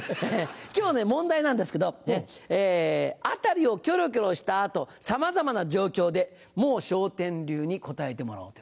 今日問題なんですけど辺りをキョロキョロした後さまざまな状況でもう笑点流に答えてもらおうということです。